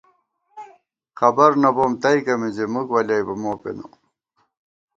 خبر نہ بوم تئیکہ مِنزی مُک ولیَئیبہ مو پېنہ